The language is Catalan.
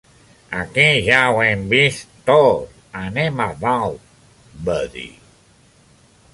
"Aquí ja ho hem vist tot; anem a dalt", va dir.